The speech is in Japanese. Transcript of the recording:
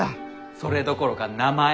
それどころか名前！